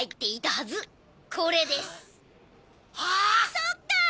そっか！